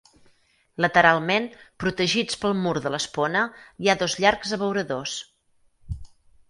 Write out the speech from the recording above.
Lateralment, protegits pel mur de l'espona, hi ha dos llargs abeuradors.